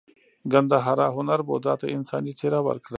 ګندهارا هنر بودا ته انساني څیره ورکړه